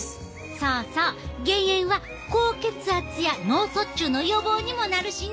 そうそう減塩は高血圧や脳卒中の予防にもなるしな！